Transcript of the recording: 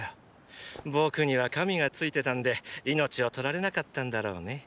僕には神が付いてたんで命を取られなかったんだろうね。